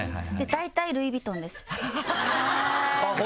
大体ルイ・ヴィトン。